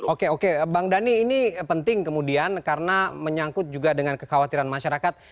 oke oke bang dhani ini penting kemudian karena menyangkut juga dengan kekhawatiran masyarakat